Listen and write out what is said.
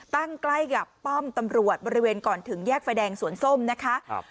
ใกล้กับป้อมตำรวจบริเวณก่อนถึงแยกไฟแดงสวนส้มนะคะ